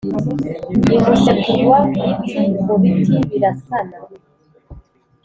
i musekurwa-biti, mu biti-birasana: